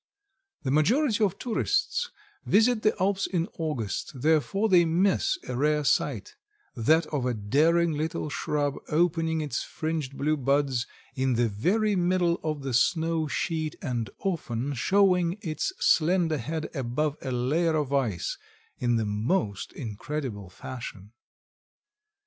The majority of tourists visit the Alps in August; therefore they miss a rare sight, that of a daring little shrub opening its fringed blue buds in the very middle of the snow sheet, and often showing its slender head above a layer of ice, in the most incredible fashion.